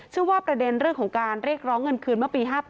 ว่าประเด็นเรื่องของการเรียกร้องเงินคืนเมื่อปี๕๘